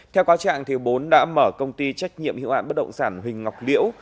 theo quá trạng bốn đã mở công ty trách nhiệm hiệu ảnh bất động sản huỳnh ngọc liễu